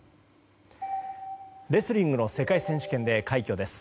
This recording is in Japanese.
レスリングの世界選手権で快挙です。